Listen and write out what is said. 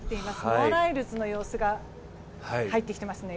ノア・ライルズの様子が入ってきていますね。